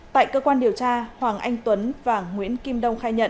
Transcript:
tại cơ quan điều tra hoàng anh tuấn và nguyễn kim đông